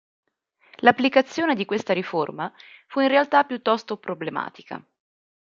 L'applicazione di questa riforma fu in realtà piuttosto problematica.